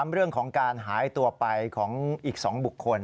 เรื่องของการหายตัวไปของอีก๒บุคคล